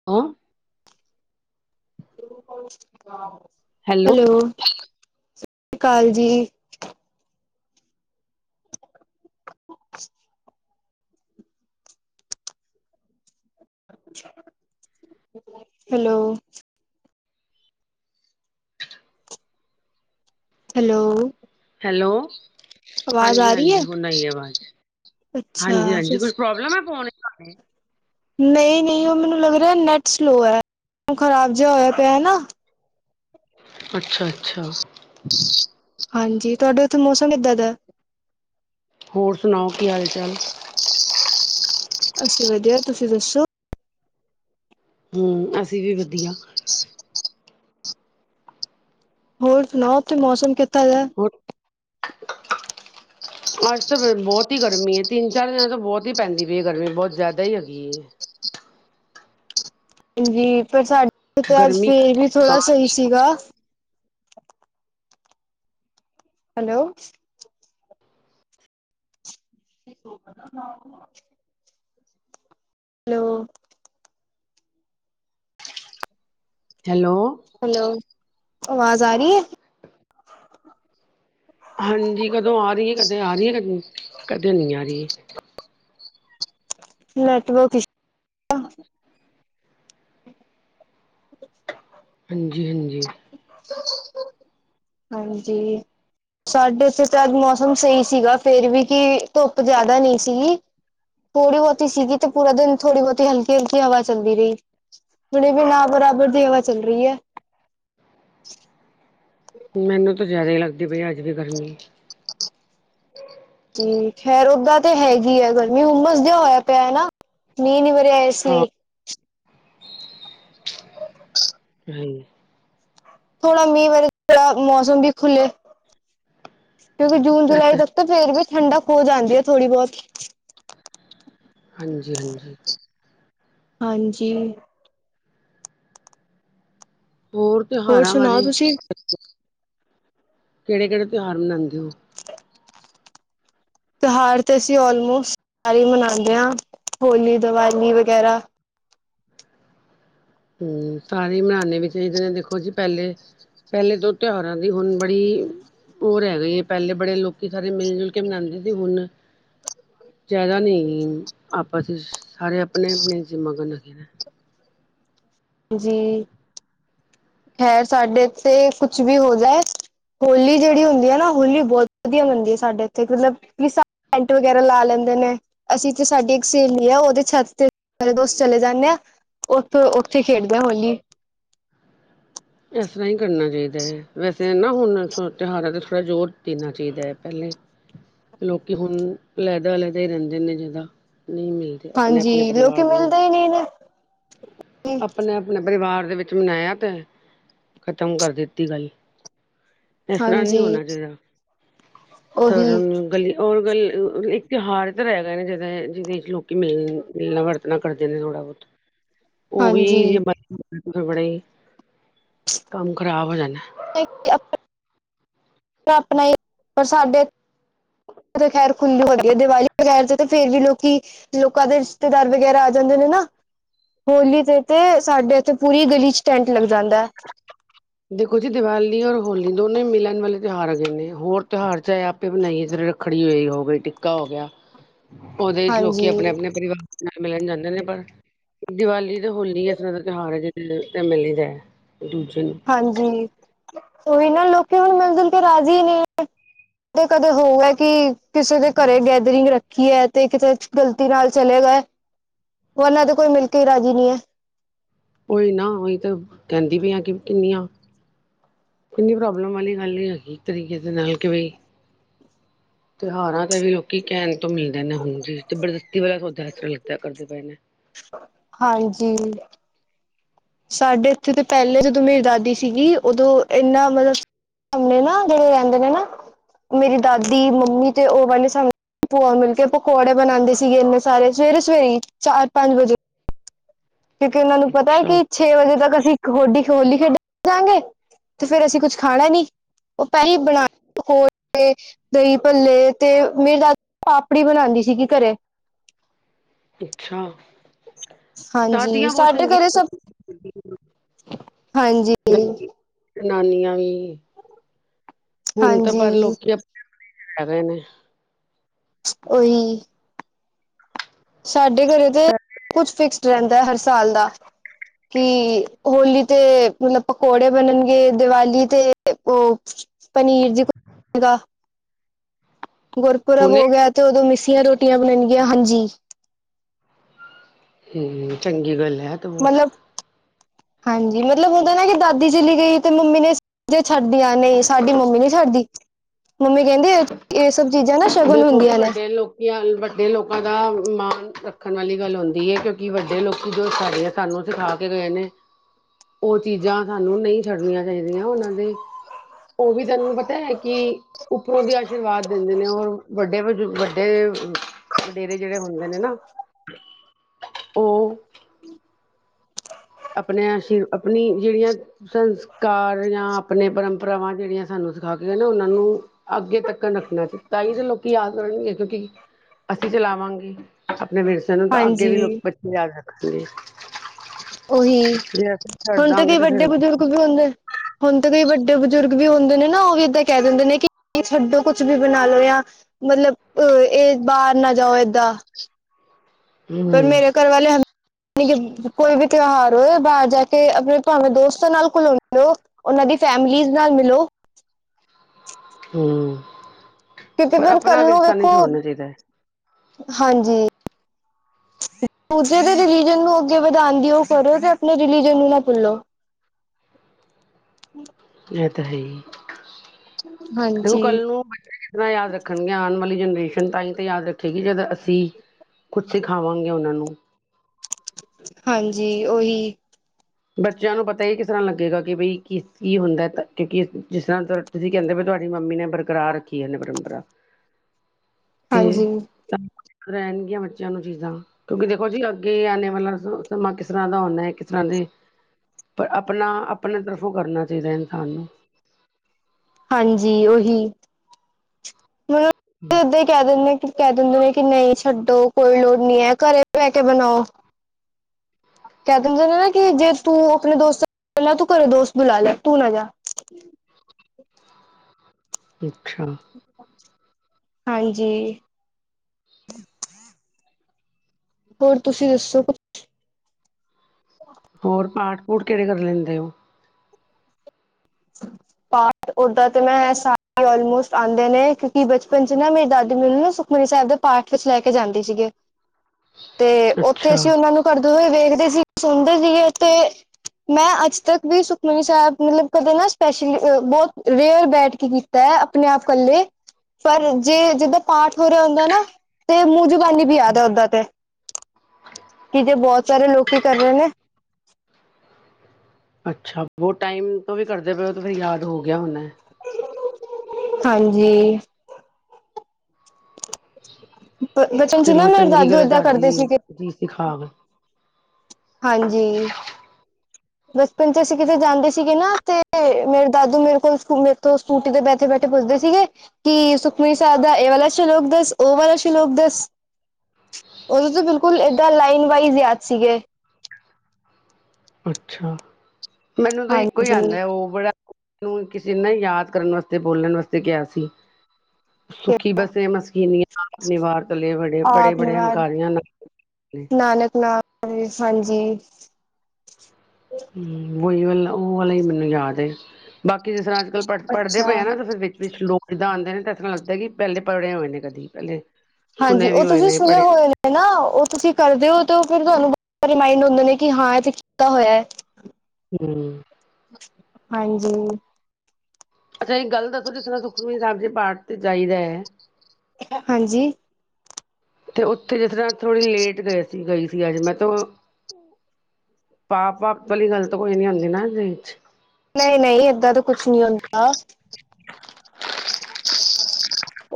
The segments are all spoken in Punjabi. [inaudible] [inaudible] ਹੈਲੋ ਹੈਲੋ ਹੈਲੋ ਸਤਿ ਸ਼੍ਰੀ ਅਕਾਲ ਜੀ ਹੈਲੋ ਹੈਲੋ ਹੈਲੋ ਆਵਾਜ਼ ਹਾਂਜੀ ਆ ਰਹੀ ਹੈ? ਹਾਂਜੀ ਹੁਣ ਆਈ ਆਵਾਜ਼ ਅੱਛਾ, ਹਾਂਜੀ ਹਾਂਜੀ ਕੁਛ ਪ੍ਰੋਬਲਮ ਹੈ ਫੋਨ ਚ ਤਾਡੇ ਨਹੀਂ ਨਹੀਂ ਉਹ ਮੈਨੂੰ ਲੱਗ ਰਿਹਾ ਨੈਟ ਸਲੋਅ ਹੈ ਖ਼ਰਾਬ ਜੇ ਆ ਹੋਇਆ ਪਿਆ ਨਾ ਅੱਛਾ ਅੱਛਾ ਹਾਂਜੀ ਤੁਹਾਡੇ ਉੱਥੇ ਮੌਸਮ ਕਿੱਦਾਂ ਦਾ ਹੋਰ ਸੁਣਾਓ ਕੀ ਹਾਲ ਚਾਲ ਅੱਸੀਂ ਵਧੀਆ ਤੁਸੀਂ ਦੱਸੋ ਹਮ ਅਸੀਂ ਵੀ ਵਧੀਆ ਹੋਰ ਸੁਣਾਓ ਉਥੇ ਮੌਸਮ ਕਿੱਦਾ ਦੈ ਬਰ ਅੱਜ ਤਾਂ ਬੋਤ ਹੀ ਗਰਮੀ ਹੈ ਤਿੰਨ ਚਾਰ ਦਿਨਾਂ ਤੋਂ ਬੋਤ ਹੀ ਪੈਂਦੀ ਪਈ ਹੈ ਗਰਮੀ ਬੋਤ ਜ਼ਿਆਦਾ ਹੀ ਹੈਗੀ ਹੈ ਹਾਂਜੀ ਪਰ ਸਾਡੇ ਤੇ ਅੱਜ ਗਰਮੀ ਫੇਰ ਵੀ ਥੋੜ੍ਹਾ ਸਹੀ ਸੀਗਾ ਹੈਲੋ ਠ ਸੁਣਾ ਹੈਲੋ ਹੈਲੋ ਹੈਲੋ ਆਵਾਜ਼ ਆ ਰਹੀ ਹੈ ਹਾਂਜੀ ਕਦੋਂ ਆ ਰਹੀ ਹੈ ਕਦੇ ਆ ਰਹੀ ਹੈ ਕਦੇ ਕਦੇ ਨਹੀਂ ਆ ਰਹੀ ਹੈ ਨੈਟਵਰਕ ਆਹ ਹਾਂਜੀ ਹਾਂਜੀ ਹਾਂਜੀ। ਸਾਡੇ ਔਥੇ ਤੇ ਅਜ ਮੌਸਮ ਸਹੀ ਸੀਗਾ, ਫੇਰ ਵੀ ਕੀ ਧੁੱਪ ਜਾਦਾ ਨਹੀਂ ਸੀਗੀ। ਥੋੜ੍ਹ ਬੋਤੀ ਸੀਗੀ ਤੇ ਪੂਰਾ ਦਿਨ ਥੋੜ੍ਹੀ ਬੋਤੀ ਹਲਕੀ- ਹਲਕੀ ਹਵਾ ਚੱਲਦੀ ਰਹੀ। ਹੁਨ ਵੀ ਨਾ ਦੈ ਬਰਾਬਰ ਦੀ ਹਵਾ ਚੱਲ ਰੀ ਐ ਮੈਨੂੰ ਤਾਂ ਜਾਦੇ ਈ ਲੱਗ- ਜਿਵੇਂ ਅੱਜ ਵੀ ਗਰਮੀ ਏ ਹਮ ਖੈਰ ਔਦਾਂ ਤੇ ਹੈਗੀ ਐ ਗਰਮੀ ਉਮਸ ਜੇਯਾ ਹੋਯਾ ਪੇਆ ਨਾ, ਮੀਂਹ ਨੀ ਪੇਯਾਏ ਹਾਂ ਸੀ। [inaudible] ਹਾਂ ਥੋੜਾ ਮੀਂਹ ਵਰ [unintelligible] ਪਯਾ ਮੌਸਮ ਵੀ ਖੁੱਲੇ ਕਿਉਂਕਿ ਜੂਨ ਜੁਲਾਈ ਤਾਂ ਹੈ। ਤੱਕ ਤੇ ਫੇਰ ਵੀ ਠੰਡਕ ਹੋੋ ਜਾਂਦੀ ਐ ਥੋੜ੍ਹੀ ਬੋਤ। ਹਾਂਜੀ -ਹਾਂਜੀ, ਹਾਂਜੀ, ਹੋਰ ਹੋਰ ਤਿਉਹਾਰਾਂ ਸੁਨਾਔ ਬਾਰੇ ਤੁਸੀਂ ਕੇੜੇ -ਕੇੜੇ ਤੇਔਹਾਰ ਮਨਾਦੇ ਔ ਤੇਹਾਰ ਤਾਂ ਅਸੀਂ ਔਲਮੋਸਟ ਸਾਰੇ ਮਨਾਦੇ ਹਾਂ। ਹੋਲੀ, ਦੀਵਾਲੀ ਵਗੈਰਾ, ਹਮ, ਸਾਰੇ ਮਾਹਲੇ ਵਿੱਚ ਵੀ ਤੇ ਦੇਖੋ ਜੀ, ਪੈਹਲੇ ਪੈਹਲੇ ਤੋਂ ਤੇਔਹਾਰਾਂ ਦੀ ਹੁਣ ਬ ਬੀ ਅ ਔਹ ਰੈ ਗਏ ਪੂਲੇ ਬੜੇ ਲੋਕੀ ਸਾਰੇ ਮਿਲ -ਜੁਲ ਕੇ ਮਨਾਦੇ ਸੀ ਹੁਣ ਜਾਦਾ ਨੀ ਹੈਗੇ ਆਪਸ ਚ ਸਾਰੇ ਅਪਣੇ- ਅਪਣੇ ਚ ਮਗਨ ਹੈਗੇ ਨੇ ਜੀ, ਖੈਰ ਸਾਡੇੇ ਤੇ ਕੁਛ ਵੀ ਹੋ ਜਾਏ ਹੋਲੀ ਜੇੜੀ ਹੁੰਦੀ ਹੈ ਨਾ, ਹੋਲੀ ਬੋਤ ਵਧੀਆ ਮੰਨਦੀ ਹੈ ਸਾਡੇ ਇੱਥੇ, ਮਤਲਬ ਵੀ ਸ ਐਂਟ ਵਗੈਰਾ ਲਾ ਲੈਂਦੇ ਨੇ ਅਸੀਂ ਤੇ ਸਾਡੀ ਇੱਕ ਸੇਲੀ ਆ ਔਦੇ ਛੱਤ ਤੇ ਸਾਰੇ ਦੋਸਤ ਚਲੇ ਜਾਂਨੇ ਆ, ਹਾਂ ਉੱਥੋਂ [unintelligible] ਫਿ ਖੇਡਦੇ ਆ ਹੋਲੀ ਇਸ ਤਰ੍ਹਾਂ ਹੀ ਕਰਨਾ ਚਾਈਦਾ ਹੈ ਵੈਸੇ ਨਾ ਹੁਣ ਤੇਹਾਰਾਂ 'ਤੇ ਥੋੜ੍ਹਾ ਜੋਰ ਦੇਣਾ ਚੇਈਦੈ ਪੈਲੇ। ਲੋਕੀ ਹੁਣ, ਲੈਦਾ -ਲੈਦਾ ਈ ਰੈਂਦੇ ਨੇ ਜਿੱਦਾਂ ਨ ਈ ਮਿਲ ਅਪਣੇ -ਆਪਣੇ ਹਾਂਜੀ ਲੋਕੀ ਪਰਿਵਾਰ ਦੇ ਨਾਲ। ਮਿਲਦੇ ਹੀ ਨਹੀਂ ਨੇ ਆਪਨਾ ਨ ਬਰਿਵਾਰ ਦੇ ਵਿੱਚ ਮਨਾਯਾ ਤੇ ਹੈ। ਖਤਮ ਕਰ ਦਿੱਤੀ ਬਈ। ਇਸ ਤਰ੍ਹਾਂ ਨਈ ਹਾਂਜੀ ਹੋਨਾ ਚਾਈਦਾ। ਉਹੀ ਸਰੁਨ ਗਲੀ ਔਰ ਗੱਲ ਅ ਅਅ ਇੱਕ ਤੇਔਹਾਰ ਤੇ ਰੈਹ ਗਏ ਨੇ, ਜਿਦਾ ਏਹ ਜਿਹਦੇ ਚ [unintelligible] ਲੋਕੀ ਮਿਲ ਮਿਲਨਾ ਵਰਤਣਾ ਕਰਦੇ ਨੇ ਥੋੜ੍ਹਾ ਬੋਤ ਹਾਂਜੀ ਔਹੀ ਵੀ ਜ ਬੜੇ [unintelligible] ਕੰਮ ਖ਼ਰਾਬ ਹੋ ਜਾਂਨੈ ਆਪਣਾ ਹੀ ਪਰ ਸਾਡੇ [unintelligible] ਉਥੇ ਖੈਰ ਖੁੱਲੀ ਹੋ ਗਈ ਹੈ [unintelligible] ਬਗੈਰ ਚ ਤੇ ਫੇਰ ਵੀ ਲੋਕੀ, ਲੋਕਾਂ ਦੇ ਰਿਸ਼ਤੇਦਾਰ ਵਗੈਰਾ ਆ ਜਾਂਦੇ ਨੇ ਨਾ ਹੋਲੀ ਤੇ ਤੇ ਸਾਡੇ ਇੱਥੇ ਪੂਰੀ ਗਲੀ ਚ ਟੈਂਟ ਲੱਗ ਜਾਂਦੈ। ਦੇਖੋ ਜੀ ਦੀਵਾਲੀ ਔਰ ਹੋਲੀ ਦੋਨੇ ਮਿਲਣ ਵਾਲੇ ਤਿਔਹਾਰ ਹੈਗੇ ਨੇ, ਹੋਰ ਤੋਹਾਰ ਚ ਐਹ ਆਪ ਕਿ ਬਨਾਈ ਏਸ ਰੱਖੜੀ ਏ ਹੋਗੀ, ਟਿੱਕਾ ਹੋ ਗਿਆ ਔਦੇ ਚ ਹਾਂਜੀ, ਲੋਕੀ ਅਪਣੇ ਅਪਣੇ ਪਰਿਵਾਰ ਨਾ ਮਿਲਣ ਜਾਂਦੇ ਨੇ ਪਰ ਦੀਵਾਲੀ ਤੇ ਹੋਲੀ ਇਸ ਤਰ੍ਹਾਂ ਦਾ ਤੇਹਾਰ ਹੈ ਜਿਹੜੇ ਮਿਲੀ ਦਾ ਹੈ ਦੂਜੇ ਨੂੰ ਹਾਂਜੀ, ਏਨਾਂ ਲੋਕਾਂ ਹੁਣ ਮਿਲ -ਜੁਲ ਕੇ ਰਾਜ਼ੀ ਨੀ ਤੇ ਕਦੇ ਹੋ ਐ ਕਿ ਕਿਸੇ ਦੇ ਘਰੇ ਗੈਦਰਿੰਗ ਰੱਖੀ ਐ ਤੇ ਕਿਤੇ ਗ਼ਲਤੀ ਨਾਲ ਚਲੇ ਗਏ, ਉਹਨਾਂ ਦੇ ਕੋਈ ਮਿਲ ਕੇ ਹੀ ਰਾਜ਼ੀ ਨਹੀਂ ਹੈ ਉਹੀ ਨਾ ਉਹੀ ਤਾਂ ਕਹਿੰਦੀ ਪੀ ਆਂ ਕਿ ਕਿੰਨੀਆਂ ਕਿੰਨੀ ਪ੍ਰੋਬਲਮ ਵਾਲੀ ਗੱਲ ਨਹੀਂ ਹੈਗੀ, ਤਰੀਕੇ ਦੇ ਨਾਲ ਕਿ ਬਈ ਤਿਉਹਾਰਾਂ ਤੇ ਵੀ ਲੋਕੀ ਕਹਿਣ ਤੋਂ ਮਿਲਨਾ ਨੇ ਹੁਣ ਜੀ, ਜ਼ਬਰਦਸਤੀ ਵਾਲਾ ਸੌਦਾ ਆਜ ਕੱਲ ਲੱਗਦਾ ਐ ਕਰਦੇ ਪਏ ਨੇ ਹਾਂਜੀ ਸਾਡੇ ਇੱਥੇ ਤਾਂ ਪਹਿਲੇ ਜਦੋਂ ਮੇਰੀ ਦਾਦੀ ਸੀਗੀ, ਉਦੋਂ ਇੰਨਾ ਮਤਲਬ ਸਾਹਮਣੇ ਨਾ ਜਿਹੜੇ ਰਹਿੰਦੇ ਨੇ ਨਾ, ਮੇਰੀ ਦਾਦੀ ਮੰਮੀ ਤੇ ਉਹ ਬਦੇ ਸਾਹਮਣੇ ਭੂਆ ਮਿਲਕੇ ਪਕੌੜੇ ਬਣਾਉਂਦੇ ਸੀਗੇ ਇੰਨੇ ਸਾਰੇ, ਸਵੇਰੇ ਸਵੇਰੇ ਹੀ ਚਾਰ ਪੰਜ ਵਜੇ ਕਿਉਂਕਿ ਉਹਨਾਂ ਨੂੰ ਪਤਾ ਹੈ ਕਿ ਅੱਛਾ। ਛੇ ਵਜੇ ਤੱਕ ਅਸੀਂ ਹੋਡੀ ਹੋਲੀ ਖੇਡ ਜਾਂਗੇ ਤੇ ਫੇਰ ਅਸੀਂ ਕੁਛ ਖਾਣਾ ਨੀ, ਉਹ ਪਹਿਲੀ ਬਣਾ ਕੇ ਪਕੌੜੇ ਦਹੀਂ ਭੱਲੇ ਤੇ ਮੇਰੀ ਦਾਦੀ ਪਾਪੜੀ ਬਣਾਉਂਦੀ ਸੀਗੀ ਘਰੇ ਅੱਛਾ ਹਾਂਜੀ ਦਾਦੀਆਂ ਬਹੁਤ ਸਾਡੇ ਘਰੇ ਚੰਗੀਆਂ ਸਭ ਹਾਂਜੀ ਜਨਾਨੀਆਂ ਵੀ ਹੁਣ ਤਾਂ ਪਰ ਹਾਂਜੀ ਲੋਕੀ ਆਪਣੇ ਹੈਗੇ ਨੇ ਉਹੀ ਸਾਡੇ ਘਰੇ ਤੇ ਕੁਛ ਫਿਕਸਡ ਰਹਿੰਦਾ, ਹਰ ਸਾਲ ਦਾ ਕੀ ਹੋਲੀ ਤੇ ਮਤਲਬ ਪਕੌੜੇ ਬਣਨਗੇ, ਦੀਵਾਲੀ ਤੇ ਉਹ ਪਨੀਰ ਜੀ ਕੋ ਗੁਰਪੁਰਬ ਹੁਣੇ ਹੋ ਗਿਆ ਵੀ ਤੇ ਉਦੋਂ ਮਿਸੀਆਂ ਰੋਟੀਆਂ ਬਣਣਗੀਆਂ ਹਾਂਜੀ ਹਮ ਚੰਗੀ ਗੱਲ ਹੈ, ਐ ਤੇ ਬਹੁਤ ਮਤਲਬ ਹਾਂਜੀ ਮਤਲਬ ਹੁਣ ਤਾਂ ਨਾ ਕਿ ਦਾਦੀ ਚਲੀ ਗਈ, ਤੇ ਮੰਮੀ ਨੇ ਜੇ ਛੱਡਦੀਆਂ ਨਹੀਂ, ਸਾਡੀ ਮੰਮੀ ਨਹੀਂ ਛੱਡਦੀ ਮੰਮੀ ਕਹਿੰਦੀ ਇਹ ਸਭ ਚੀਜ਼ਾਂ ਨਾ ਸ਼ਗਨ ਹੁੰਦੀਆਂ ਨੇ ਗਿਆਨ ਵੱਡੇ ਲੋਕਾਂ ਦਾ ਮਾਣ ਰੱਖਣ ਵਾਲੀ ਗੱਲ ਹੁੰਦੀ ਹੈ ਕਿਉਂਕਿ ਵੱਡੇ ਲੋਕੀ ਜੋ ਸਾਡੇ ਸਾਨੂੰ ਸਿਖਾ ਕੇ ਗਏ ਨੇ, ਉ ਚੀਜ਼ਾਂ ਸਾਨੂੰ ਨਈ ਛੱਡਨੀਆਂ ਚਾਈਦੀਆਂ ਉਨਾਂ ਦੀ, ਉਹ ਵੀ ਤੈਨੂੰ ਪਤਾ ਏ ਕਿ ਉੱਪਰੋਂ ਦੀ ਆਸ਼ੀਰਵਾਦ ਦੇਂਦੇ ਨੇ, ਔਰ ਵੱਡੇ ਵ ਵੱਡੇ ਵ ਵਡੇਰੇ ਜੇੜੇ ਹੁੰਦੇ ਨੇ ਨਾ, ਉਹ [unintelligible] ਆਪਨੇ ਆਸ਼ੀ ਆਪਨੀ ਜੇੜੀਆਂ ਸੰਸਕਾਰਿਆਂ ਆਪਣੇ ਪਰੰਪਰਾਵਾਂ ਜੇੜੀਆਂ ਸਾਨੂੰ ਸਿਖਾ ਕੇ ਗਏ ਨੇ, ਉਨਾਂ ਨੂੰ ਅੱਗੇ ਤੱਕਨ ਰੱਖਣਾ ਚ ਤਾਂਈ ਤੇ ਲੋਕੀ ਯਾਦ ਕਰਨਗੇ ਕਿਉਂਕਿ ਅਸੀਂ ਚਲਾਵਾਂਗੇ ਆਪਣੇ ਵਿਰਸੇ ਨੂੰ ਤਾਂ, ਅੱਗੇ ਵੀ ਲੋਕ ਹਾਂਜੀ। ਬੱਚੇ ਯਾਦ ਰੱਖਣਗੇ ਉਹੀ ਜੇ ਅਸੀਂ ਛੱਡ ਹੁਣ ਤੇ ਦਾਂਗੇ ਕਈ ਤਾਂ ਵੱਡੇ ਫਿਰ ਬਜ਼ੁਰਗ ਵੀ ਹੁੰਦੇ ਹੁਣ ਤਾਂ ਵੀ ਵੱਡੇ ਬਜ਼ੁਰਗ ਵੀ ਹੁੰਦੇ ਨੇ ਨਾ, ਉ ਵੀ ਏਦਾਂ ਕੇ ਦਿੰਦੇ ਨੇ ਕਿ ਛੱਡੋ ਕੁਛ ਵੀ ਬਣਾ ਲਓ ਯਾ ਮਤਲਬ ਅ ਇਹ ਬਾਹਰ ਨਾ ਜਾਓ ਏਦਾਂ ਪਰ ਮੇਰੇ ਘਰ ਵਾਲੇ [inaudible] [unintelligible] ਕੋਈ ਵੀ ਤਿਉਹਾਰ ਹੋਏ ਬਾਹਰ ਜਾ ਕੇ ਆਪਣੇ ਭਾਵੇਂ ਦੋਸਤਾਂ ਨਾਲ ਘੁਲੋ ਮਿਲੋ ਉਨਾਂ ਦੀ ਫੈਮਿਲੀਜ਼ ਨਾਲ ਮਿਲੋ ਹੂ- ਕਿਉਂਕਿ ਫਿਰ ਕੱਲ ਨੂੰ ਵੇਖੋ, ਚਾਹੀਦਾ ਹੈ ਹਾਂਜੀ ਦੂਜੇ ਦੇ ਰਿਲੀਜਨ ਨੂੰ ਅੱਗੇ ਵਧਾਣ ਦੀ ਉਹ ਕਰੋ, ਤੇ ਆਪਣੇ ਰਿਲੀਜਨ ਨੂੰ ਨਾ ਪੁੱਲੋ ਹ [unintelligible] ਏ ਤੇ ਹੈਈ ਦੇਖੋ ਹਾਂਜੀ ਕੱਲ ਨੂੰ ਕਿਸ ਤਰ੍ਹਾਂ ਯਾਦ ਰੱਖਣ ਗਈਆਂ ਆਣ ਵਾਲੀ ਜਨਰੇਸ਼ਨ ਤਾਈ ਤੇ ਯਾਦ ਰੱਖੇਗੀ ਜਦ ਅਸੀਂ ਕੁਝ ਸਿਖਾਵਾਂਗੇ ਉਨਾਂ ਨੂੰ ਹਾਂਜੀ, ਓਹੀ ਬੱਚਿਆਂ ਨੂੰ ਪਤਾ ਈ ਕਿਸ ਤਰ੍ਹਾਂ ਲੱਗੇਗਾ ਕਿ ਬਈ ਕੀ ਕੀ ਹੁੰਦਾ ਏ ਕੀ ਕੀ ਕਿਸ ਜਿਸ ਤਰ੍ਹਾਂ ਤੁਸੀਂ ਕਹਿੰਦੇ ਪਏ ਤੁਹਾਡੀ ਮੰਮੀ ਨੇ ਬਰਕਰਾਰ ਰੱਖੀ ਓਹਨੇ ਪਰੰਪਰਾ ਤੇ ਹਾਂਜੀ [unintelligible] ਰੈਨਗੀਆਂ ਬੱਚਿਆਂ ਨੂੰ ਚੀਜ਼ਾਂ ਕਿਉਂਕਿ ਦੇਖੋ ਜੀ ਅੱਗੇ ਆਣੇ ਵਾਲਾ ਸਮਾਂ ਕਿਸ ਤਰ੍ਹਾਂ ਦਾ ਹੋਨਾ ਕਿਸ ਤਰ੍ਹਾਂ ਦੇ ਪਰ ਆਪਣਾ ਆਪਣੇ ਤਰਫੋਂ ਕਰਨਾ ਚਾਈਦਾ ਇਨਸਾਨ ਨੂੰ ਹਾਂਜੀ ਓਹੀ ਉਦਾਂ ਈ ਕਹਿ ਦਿੰਦੇ ਕੇ ਦਿੰਦੇ ਨੇ ਕਿ ਨਈ ਛੱਡੋ ਕੋਈ ਲੋੜ ਨੀ ਏ ਘਰੇ ਬਹਿ ਕੇ ਬਣਾਓ ਕਹਿ ਦਿੰਦੇ ਨੇ ਨਾ ਕਿ ਜੇ ਤੂੰ ਆਪਣੇ ਦੋਸਤ ਤੂੰ ਘਰੇ ਦੋਸਤ ਬੁਲਾ ਲੈ ਤੂੰ ਨਾ ਜਾ ਅੱਛਾ ਹਾਂਜੀ ਹੋਰ ਤੁਸੀਂ ਦੱਸੋ ਕੁਝ? ਹੋਰ ਪਾਠ ਪੂਠ ਕਿਹੜੇ ਕਰ ਲੈਂਦੇ ਓ? [inaudible] ਪਾਠ ਓਦਾਂ ਤੇ ਮੈਂ ਸਾ ਆਲਮੋਸਟ ਆਂਦੇ ਨੇ ਕਿਉਂਕਿ ਬਚਪਨ 'ਚ ਨਾ ਮੇਰੀ ਦਾਦੀ ਮੈਨੂੰ ਨਾ ਸ ਗੁਰੂ ਸਾਬ ਦੇ ਪਾਠ ਵਿੱਚ ਲੈ ਕੇ ਜਾਂਦੇ ਸੀਗੇ [inaudible] ਤੇ ਓਥੇ ਅੱਛਾ ਅਸੀਂ ਉਨਾਂ ਨੂੰ ਕਰਦੇ ਹੋਏ ਵੇਖਦੇ ਸੀ ਸੁਣਦੇ ਸੀਗੇ ਤੇ ਮੈਂ ਅੱਜ ਤੱਕ ਵੀ ਸੁਖਮਨੀ ਸਾਬ ਮਤਲਬ ਕਦੇ ਨਾ ਸਪੈਸ਼ਲੀ ਅ ਬੋਤ ਰੇਅਰ ਬੈਠ ਕੇ ਕੀਤਾ ਏ ਆਪਣੇ ਆਪ ਕੱਲੇ ਪਰ ਜੇ ਜਿੱਦਾਂ ਪਾਠ ਹੋ ਰਿਆ ਹੁੰਦਾ ਨਾ ਤੇ ਮੂੰਹ ਜਵਾਨੀ ਵੀ ਯਾਦ ਅ ਓਦਾਂ ਤੇ ਕੀ ਜੇ ਬਹੁਤ ਸਾਰੇ ਲੋਕੀ ਕਰ ਰੇ ਨੇ ਅੱਛਾ, ਬੋਤ ਟਾਈਮ ਤੋਂ ਵੀ ਕਰਦੇ ਪਏ ਓ ਤੇ ਫਿਰ ਯਾਦ ਹੋ ਗਿਆ ਹੋਣਾ ਹਾਂਜੀ ਬ ਬਚਪਨ ਚ ਨਾ ਚਲੋ ਮੇਰੇ ਚੰਗੀ ਦਾਦੂ ਗੱਲ ਹੈ, ਏਦਾਂ ਕਰਦੇ ਦਾਦੀ ਸੀਗੇ ਜੀ ਸਿਖਾਂਦੋ ਹਾਂਜੀ ਬਚਪਨ ਚ ਅਸੀਂ ਕਿਤੇ ਜਾਂਦੇ ਸੀਗੇ ਨਾ ਤੇ ਮੇਰੇ ਦਾਦੂ ਮੇਰੇ ਕੋਲ ਮੇਰੇ ਤੋਂ ਸਕੂਟੀ ਤੇ ਬੈਠੇ ਬੈਠੇ ਪੁੱਛਦੇ ਸੀਗੇ। ਕੀ ਸੁਖਮਨੀ ਸਾਬ ਦਾ ਏ ਵਾਲਾ ਸ਼ਲੋਕ ਦੱਸ ਓ ਵਾਲਾ ਸ਼ਲੋਕ ਦੱਸ। ਓਦੋਂ ਤਾਂ ਬਿਲਕੁਲ ਏਦਾਂ ਲਾਈਨ ਵਾਈਜ਼ ਯਾਦ ਸੀਗੇ। ਅੱਛਾ ਮੈਨੂੰ ਤਾਂ ਇੱਕੋ ਈ ਹਾਂਜੀ। ਆਂਦਾ ਓ ਬੜਾ। ਮੈਨੂੰ ਕਿਸੀ ਨੇ ਨਾ ਯਾਦ ਕਰਨ ਵਾਸਤੇ ਬੋਲਣ ਵਾਸਤੇ ਕਿਹਾ ਸੀ। ਸੁਖੀ ਬਸੇ ਮਸਕੀਨੀਆਂ ਨਿਵਾਰਤਲੇ ਬੜੇ ਬੜੇ ਆਪ ਬੜੇ ਨਿਵਾਰ ਹੰਕਾਰੀਆਂ ਨਾਲ ਨਾਨਕ ਨਾਮ ਵਿੱਚ ਹਾਂਜੀ। ਹੂੰ, ਵਹੀ ਵਾਲਾ ਓ ਵਾਲਾ ਈ ਮੈਨੂੰ ਯਾਦ ਐ ਬਾਕੀ ਜਿਸ ਤਰ੍ਹਾਂ ਪੜ ਪੜ੍ਹਦੇ ਅੱਛਾ ਪਏ ਆ ਨਾ ਤੇ ਫਿਰ ਵਿੱਚ ਵਿੱਚ ਸਲੋਕ ਏਦਾਂ ਆਂਦੇ ਨੇ ਤਾਂ ਇਸ ਤਰ੍ਹਾਂ ਲੱਗਦਾ ਕਿ ਪਹਿਲੇ ਪੜ੍ਹੇ ਹੋਏ ਨੇ ਕਦੀ ਪਹਿਲੇ। ਹਾਂਜੀ ਸੁਣੇ ਵੀ ਓ ਹੋਏ ਤੁਸੀਂ ਨੇ ਸੁਣੇ ਪੜ੍ਹੇ ਹੋਏ ਨੇ। ਹਨਾ ਓ ਤੁਸੀਂ ਕਰਦੇ ਓ ਤੇ ਫਿਰ ਤੁਹਾਨੂੰ ਰਿਮਾਇੰਡ ਹੁੰਦੇ ਨੇ ਕਿ ਹਾਂ ਏ ਤਾਂ ਕੀਤਾ ਹੋਇਆ। ਹੂੰ, ਹਾਂਜੀ। ਅੱਛਾ, ਇੱਕ ਗੱਲ ਦੱਸੋ ਜਿਸ ਤਰ੍ਹਾਂ ਸੁਖਮਨੀ ਸਾਹਿਬ ਦੇ ਪਾਠ ਤੇ ਜਾਈਦਾ। ਹਾਂਜੀ। ਤੇ ਓਥੇ ਜਿਤਰ੍ਹਾਂ ਥੋੜ੍ਹੀ ਲੇਟ ਗਏ ਸੀ ਗਈ ਸੀ ਅੱਜ ਮੈਂ ਤੋ। ਪਾਪ ਬਾਪ ਵਾਲੀ ਗੱਲ ਤਾਂ ਕੋਈ ਨੀ ਆਂਦੀ ਨਾ ਏਦੇ ਵਿੱਚ। ਨਈਂ-ਨਈਂ ਏਦਾਂ ਦਾ ਕੁਛ ਨੀ ਹੁੰਦਾ।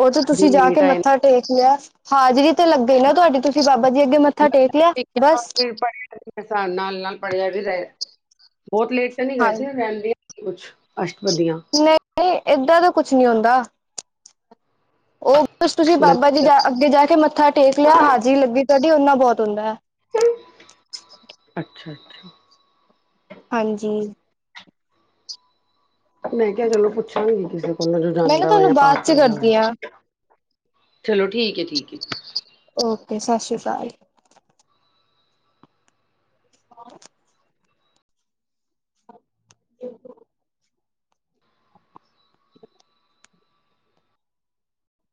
ਓ ਤਾਂ ਜੇ ਤੁਸੀਂ ਜਾ ਕੇ ਲੇਟ ਆਏ ਮੱਥਾ ਟੇਕ ਲਿਆ। ਹਾਜਰੀ ਤੇ ਲੱਗ ਗਈ ਨਾ ਤੁਆਡੀ ਤੁਸੀਂ ਬਾਬਾ ਜੀ ਅੱਗੇ ਮੱਥਾ ਟੇਕ ਲਿਆ ਬਸ। ਮੇਰੇ ਹਿਸਾਬ ਨਾਲ-ਨਾਲ ਪੜ੍ਹਿਆ ਵੀ ਜਾਏ ਬੋਤ ਲੇਟ ਤਾਂ ਨੀ ਗਏ ਸੀ ਹਾਂਜੀ। ਰੈਂਦੀ ਕੁਛ ਅਸ਼ਟਪਦੀਆਂ ਨਈਂ ਏਦਾਂ ਦਾ ਕੁਛ ਨੀ ਹੁੰਦਾ। ਓ ਕੁਛ ਤੁਸੀਂ ਮੈਂ ਬਾਬਾ ਜੀ ਦੇ ਅੱਗੇ ਜਾ ਕੇ ਮੱਥਾ ਟੇਕ ਲਿਆ ਹਾਜ਼ਰੀ ਲੱਗੀ ਤੁਆਡੀ ਓਨਾ ਬੋਤ ਹੁੰਦਾ ਐ। ਅੱਛਾ-ਅੱਛਾ। ਹਾਂਜੀ। ਮੈਂ ਕਿਆ ਚਲੋ ਪੁੱਛਾਂਗੀ ਕਿਸੇ ਕੋਲੋਂ ਜੋ ਮੈਂ ਨਾ ਜਾਂਦਾ ਹੋਏਆ ਜਾਂ ਤੁਹਾਨੂੰ ਬਾਅਦ ਪਾਰ ਚ ਕਰਦਾ ਹੋਏ। ਕਰਦੀ ਹਾਂ ਚਲੋ ਠੀਕ ਏ-ਠੀਕ ਏ। ਓਕੇ ਸਸ ਰੀ ਕਾਲ। ਕੌਨ [inaudible]